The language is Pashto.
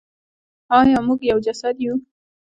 آیا موږ یو جسد یو؟